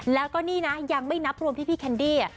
แล้วก็นี่นะยังไม่นับรวมพี่แคนดี้